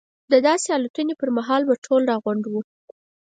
د داسې الوتنې پر مهال به ټول راغونډ وو.